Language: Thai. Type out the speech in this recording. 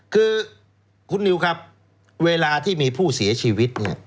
คือคุณนิวครับเวลาที่มีผู้เสียชีวิตเนี่ย